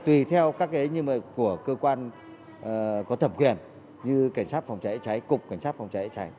tuy theo các cơ quan có thẩm quyền như cảnh sát phòng cháy cháy cục cảnh sát phòng cháy cháy